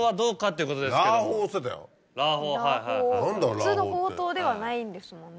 普通のほうとうではないんですもんね。